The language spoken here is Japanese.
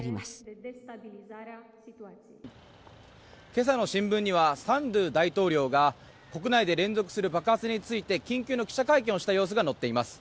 今朝の新聞にはサンドゥ大統領が国内で連続する爆発について緊急の記者会見をした様子が載っています。